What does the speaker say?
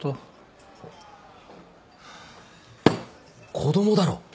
子供だろ。